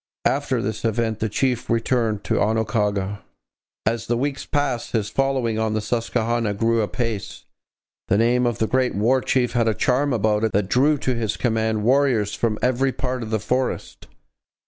After this event the chief returned to Oquaga. As the weeks passed, his following on the Susquehanna grew apace. The name of the great War Chief had a charm about it that drew to his command warriors from every part of the forest.